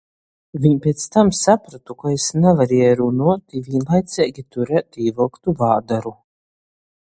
Viņ piec tam saprotu, ka jis navarēja runuot i vīnlaiceigi turēt īvylktu vādaru.